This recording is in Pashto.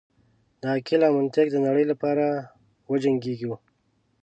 د عقل او منطق د نړۍ لپاره وجنګیږو.